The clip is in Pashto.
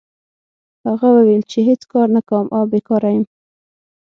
هغه وویل چې هېڅ کار نه کوم او بیکاره یم.